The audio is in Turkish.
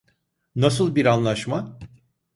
Nasıl bir anlaşma?